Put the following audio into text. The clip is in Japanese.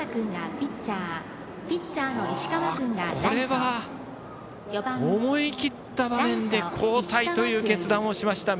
これは思い切った場面で交代という決断をしました。